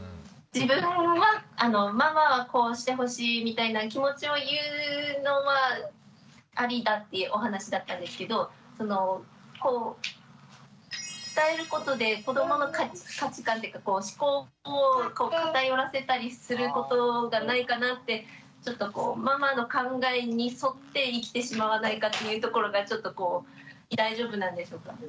自分はママはこうしてほしいみたいな気持ちを言うのはアリだっていうお話だったんですけど伝えることで子どもの価値観というか思考を偏らせたりすることがないかなってママの考えに沿って生きてしまわないかっていうところがちょっとこう大丈夫なんでしょうか？